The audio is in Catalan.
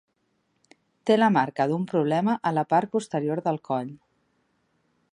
Té la marca d'un problema a la part posterior del coll.